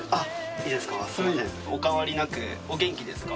いいですか？